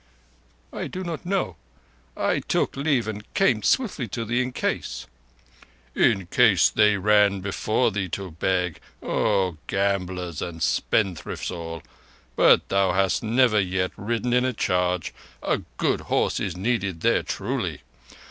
"I do not know. I took leave and came swiftly to thee in case—" "In case they ran before thee to beg. O gamblers and spendthrifts all! But thou hast never yet ridden in a charge. A good horse is needed there, truly.